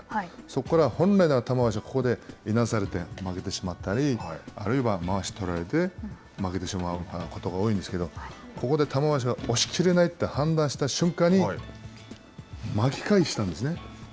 そこから、本来なら玉鷲はここでいなされて、負けてしまったり、あるいは、まわしをとられて負けてしまうことが多いんですけど、ここで玉鷲が押し切れないって判断した瞬間に巻き返したんですね。